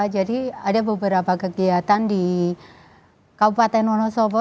jadi ada beberapa kegiatan di kabupaten wonosobo